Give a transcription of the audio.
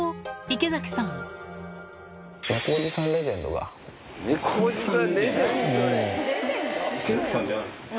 池崎さんじゃないんですか。